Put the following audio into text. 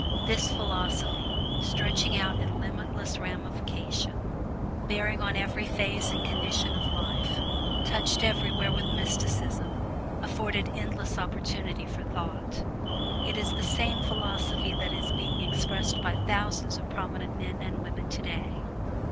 This philosophy, stretching out in limitless ramifications, bearing on every phase and condition of life, touched everywhere with mysticism, afforded endless opportunity for thought. It is the same philosophy that is being expressed by thousands of prominent men and women today.